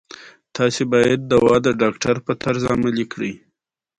ازادي راډیو د ترانسپورټ په اړه د غیر دولتي سازمانونو رول بیان کړی.